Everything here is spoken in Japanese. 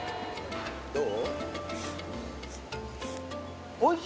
どう？